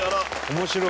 面白い。